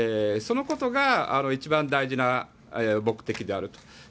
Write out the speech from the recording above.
そのことが一番大事な目的であると。